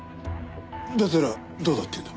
だったらどうだっていうんだ？